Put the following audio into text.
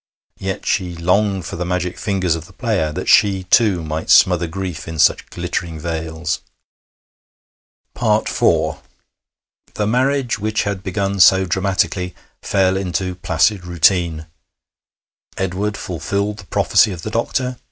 Yet she longed for the magic fingers of the player, that she, too, might smother grief in such glittering veils! IV The marriage which had begun so dramatically fell into placid routine. Edward fulfilled the prophecy of the doctor.